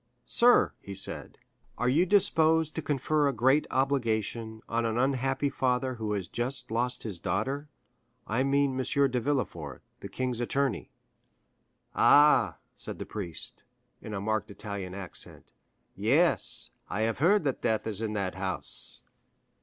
"Sir," he said, "are you disposed to confer a great obligation on an unhappy father who has just lost his daughter? I mean M. de Villefort, the king's attorney." "Ah," said the priest, in a marked Italian accent; "yes, I have heard that death is in that house."